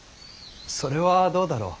それはどうだろう。